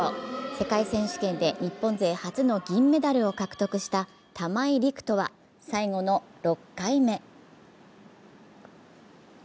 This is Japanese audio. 世界選手権で日本勢初の銀メダルを獲得した玉井陸斗は最後の６回目。